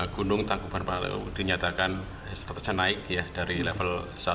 gunung tanggupan parahu dinyatakan statusnya naik dari level satu